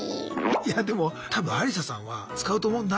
いやでも多分アリサさんは使うと思うんだ。